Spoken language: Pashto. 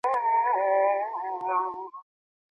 د زده کړي فرصتونه باید د ټولو ماشومانو لپاره یو شان وي.